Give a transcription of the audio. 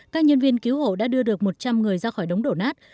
các nhân viên cứu hộ đã đưa được một trăm linh người ra khỏi đống đổ nát